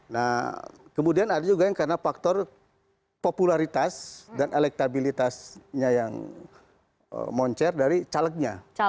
nah kemudian ada juga yang karena faktor popularitas dan elektabilitasnya yang moncer dari calegnya